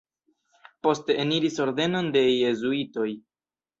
Poste eniris ordenon de jezuitoj.